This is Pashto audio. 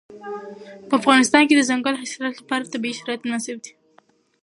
په افغانستان کې د دځنګل حاصلات لپاره طبیعي شرایط مناسب دي.